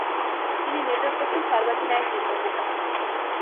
তিনি নেটোর প্রথম সর্বাধিনায়ক নির্বাচিত হন।